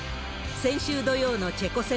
先週土曜のチェコ戦。